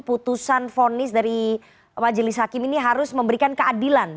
putusan vonis dari majelis hakim ini harus memberikan keadilan